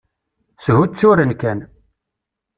Shutturen kan.